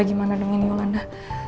gimana dengan ini yolanda